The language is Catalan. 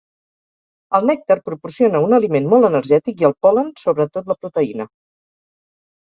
El nèctar proporciona un aliment molt energètic i el pol·len sobretot la proteïna.